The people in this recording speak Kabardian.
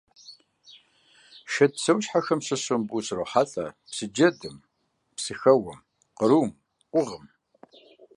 Шэд псэущхьэхэм щыщу мыбы ущрохьэлӀэ псы джэдым, псыхэуэм, кърум, къугъым.